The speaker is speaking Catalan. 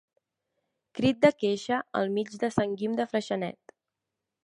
Crit de queixa al mig de Sant Guim de Freixenet.